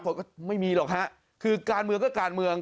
ผมก็ไม่มีหรอกฮะคือการเมืองก็การเมือง